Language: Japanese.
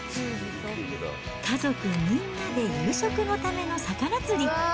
家族みんなで夕食のための魚釣り。